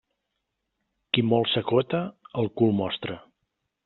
Qui molt s'acota, el cul mostra.